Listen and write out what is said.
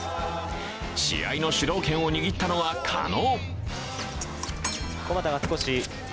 試合の主導権を握ったのは加納。